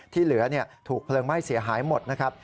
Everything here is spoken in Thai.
ที่เหลือถูกเพลิงไหม้เสียหายหมดนะครับ